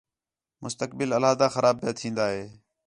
مُستقبل علیحدہ خراب پِیا تِھین٘دا ہِے